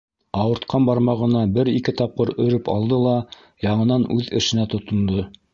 Ауыртҡан бармағына бер-ике тапҡыр өрөп алды ла яңынан үҙ эшенә тотондо.